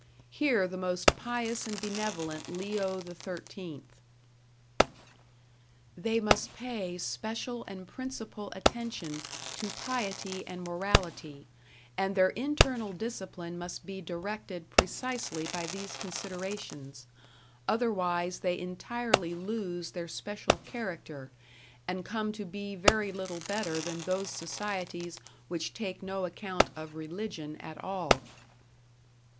Hear the most pious and benevolent Leo XIII: "They must pay special and principal attention to piety and morality, and their internal discipline must be directed precisely by these considerations; otherwise they entirely lose their special character, and come to be very little better than those societies which take no account of Religion at all."